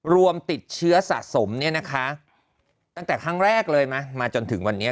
รวมติดเชื้อสะสมเนี่ยนะคะตั้งแต่ครั้งแรกเลยมาจนถึงวันนี้